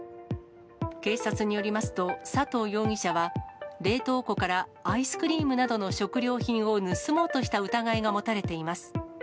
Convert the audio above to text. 警察によりますと、佐藤容疑者は、冷凍庫からアイスクリームなどの食料品を盗もうとした疑いが持たれています。